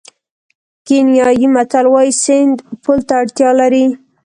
کینیايي متل وایي سیند پل ته اړتیا لري.